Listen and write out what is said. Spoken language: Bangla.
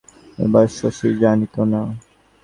এ খবর শশী জানিত না।